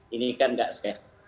ini kan nggak set